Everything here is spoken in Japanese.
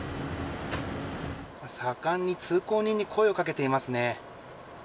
盛んに通行人に声をかけていますね。